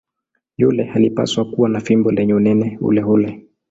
Yule alipaswa kuwa na fimbo lenye unene uleule.